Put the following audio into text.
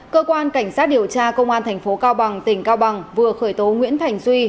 cơ quan cảnh sát điều tra công an tp cao bằng tp cao bằng vừa khởi tố nguyễn thành duy